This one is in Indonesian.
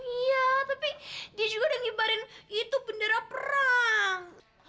iya tapi dia juga udah ngibarin itu bendera perang